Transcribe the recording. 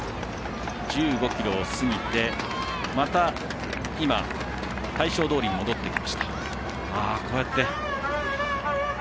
１５ｋｍを過ぎてまた今、大正通りに戻ってきました。